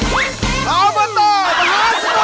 อาร์บอตเตอร์ประหลาดสนอง